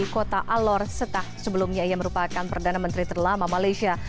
kota alor setah sebelumnya ia merupakan perdana menteri terlama malaysia